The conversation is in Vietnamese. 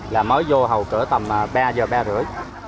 là mới vô hầu cửa tầm ba giờ ba rưỡi